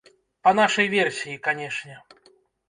Па нашай версіі, канешне.